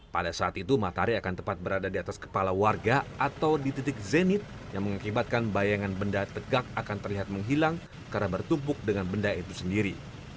pada saat itu matahari akan tepat berada di atas kepala warga atau di titik zenit yang mengakibatkan bayangan benda tegak akan terlihat menghilang karena bertumpuk dengan benda itu sendiri